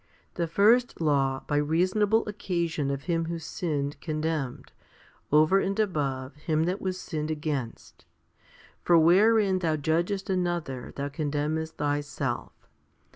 The first law, by reasonable occasion of him who sinned, condemned, over and above, him that was sinned against ; for wherein thou judgest another thou condemnest thyself.